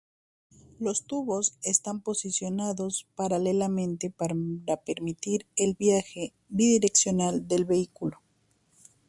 Los tubos están posicionados paralelamente para permitir el viaje bidireccional del vehículo.